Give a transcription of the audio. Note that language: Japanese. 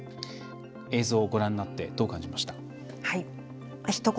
映像、ご覧になってどうお感じになりましたか。